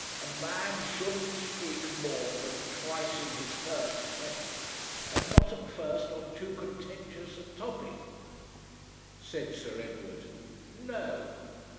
"A man shouldn't speak more than twice in his first session, and not at first on too contentious a topic," said Sir Edward. "No."